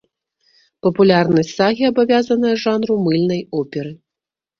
Папулярнасць сагі абавязаная жанру мыльнай оперы.